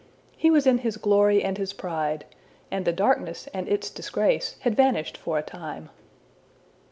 He was in his glory and his pride; and the darkness and its disgrace had vanished for a time.